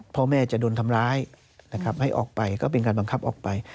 พ่อแม่จะโดนทำร้ายนะครับให้ออกไปก็เป็นการบังคับออกไป